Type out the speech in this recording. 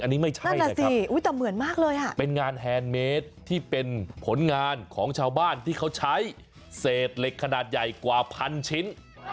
อันนี้ไม่ใช่นะครับเป็นงานแฮนด์เมดที่เป็นผลงานของชาวบ้านที่เขาใช้เศษเหล็กขนาดใหญ่กว่าพันชิ้น